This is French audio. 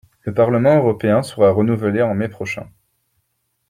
Le parlement européen sera renouvelé en mai prochain.